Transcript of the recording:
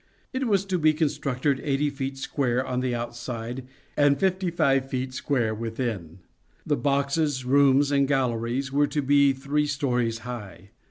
It was to be constructed eighty feet square on the outside and fifty five feet square within ; the boxes, rooms, and galleries were to be three stories high.